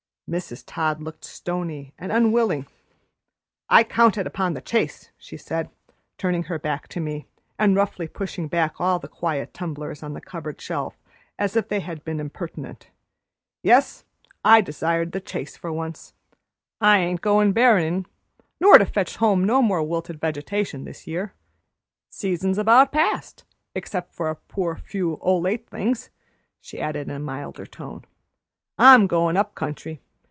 Mrs. Todd looked stony and unwilling. "I counted upon the chaise," she said, turning her back to me, and roughly pushing back all the quiet tumblers on the cupboard shelf as if they had been impertinent. "Yes, I desired the chaise for once. I ain't goin' berryin' nor to fetch home no more wilted vegetation this year. Season's about past, except for a poor few o' late things," she added in a milder tone. "I'm goin' up country.